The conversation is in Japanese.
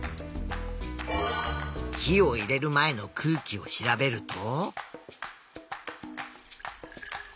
火を入れる前の空気を調べると。